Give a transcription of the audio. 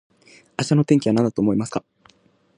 明日の天気はなんだと思いますか